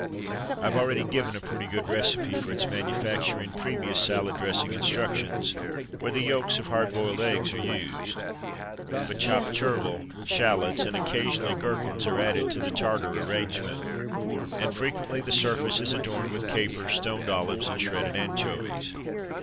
I have already given a pretty good recipe for its manufacture, in previous salad dressing instructions, where the yolks of hard boiled eggs are used. But chopped chervil, shallots, and (occasionally) gherkins, are added to the Tartare arrangement; and frequently the surface is adorned with capers, stoned olives, and shredded anchovies.